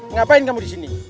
ngapain kamu di sini